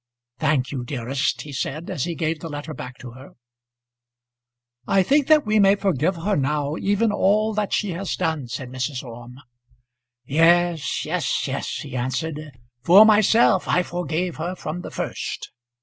"Thank you, dearest," he said, as he gave the letter back to her. "I think that we may forgive her now, even all that she has done," said Mrs. Orme. "Yes yes yes," he answered. "For myself, I forgave her from the first."